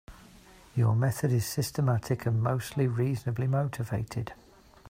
Your method is systematic and mostly reasonably motivated.